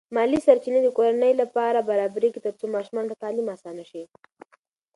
مالی سرچینې د کورنۍ لپاره برابرېږي ترڅو ماشومانو ته تعلیم اسانه شي.